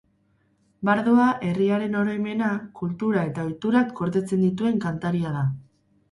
Bardoa, herriaren oroimena, kultura eta ohiturak gordetzen dituen kantaria da.